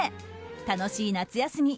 楽しい夏休み。